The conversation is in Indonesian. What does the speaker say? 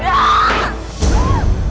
pernah mencintai kamu